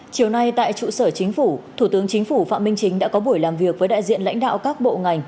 chiều nay tại trụ sở chính phủ thủ tướng chính phủ phạm minh chính đã có buổi làm việc với đại diện lãnh đạo các bộ ngành